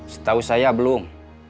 setahu saya belum